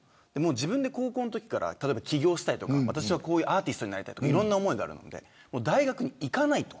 自分で高校のときから起業したりアーティストになりたいとかいろんな思いがあるので大学に行かないと。